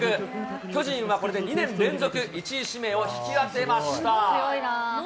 巨人はこれで２年連続１位指名を引き当てました。